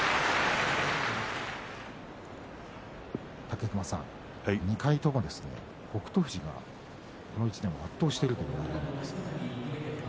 武隈さん、２回とも北勝富士がこの１年は圧倒しているということなんですが。